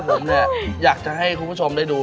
บริมาทเส้นใยสูงมาก